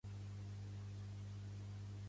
Pertany al moviment independentista el Fonsi?